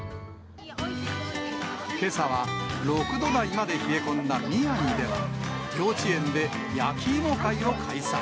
けさは６度台まで冷え込んだ宮城では、幼稚園で焼き芋会を開催。